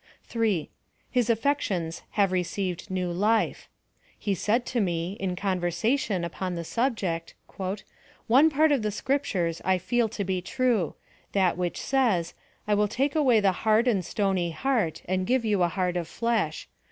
3. His aflfections have received new life. He said to me, in conversation upon the subject :" One pan of the scriptures 1 feel to be true — that which says. I will take away the hard and stony heart, and give you a heart of flesh.